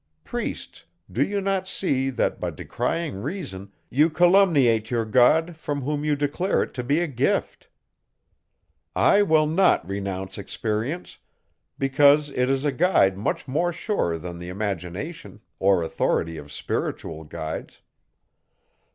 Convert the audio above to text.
Priests! do you not see, that, by decrying reason, you calumniate your God, from whom you declare it to be a gift. I will not renounce experience; because it is a guide much more sure than the imagination or authority of spiritual guides.